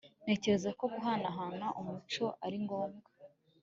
Ntekereza ko guhanahana umuco ari ngombwa